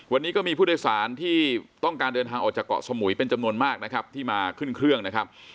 วันนี้ก็มีผู้โดยสารที่ต้องการเดินทางออกจากเกาะสมุยเป็นจำนวนมากนะครับที่มาขึ้นเครื่องนะครับ